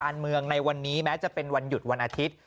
การเมืองในวันนี้แม้จะเป็นวันหยุดวันอาทิตย์